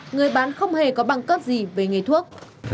người bán không hề có bằng cấp gì về nghề thuốc